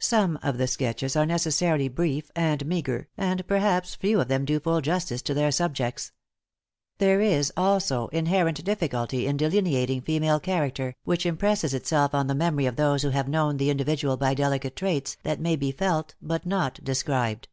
Some of the sketches are necessarily brief and meagre, and perhaps few of them do full justice to their subjects. There is, also, inherent difficulty in delineating female character, which impresses itself on the memory of those who have known the individual by delicate traits, that may be felt but not described.